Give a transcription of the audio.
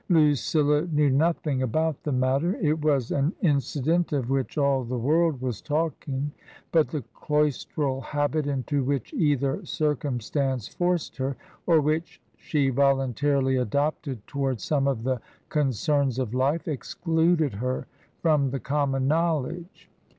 Lucilla knew nothing about the matter. It was an 204 TRANSITION. incident of which all the world was talking, but the cloistral habit into which either circumstance forced her, or which she voluntarily adopted towards some of the con cerns of life, excluded her from the common knowledge.